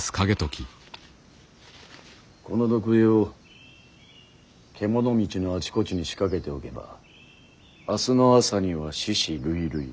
この毒餌を獣道のあちこちに仕掛けておけば明日の朝には死屍累々。